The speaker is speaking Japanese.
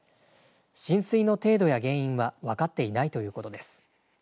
浸水の程度や原因は分かっていないということです。